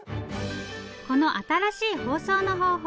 この新しい包装の方法